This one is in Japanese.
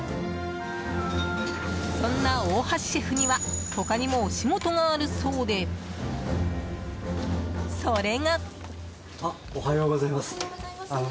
そんな大橋シェフには他にもお仕事があるそうでそれが。